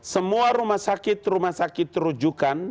semua rumah sakit rumah sakit terujukan